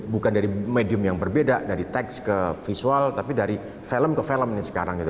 bukan dari medium yang berbeda dari teks ke visual tapi dari film ke film nih sekarang gitu